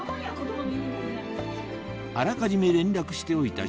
あらかじめ連絡しておいた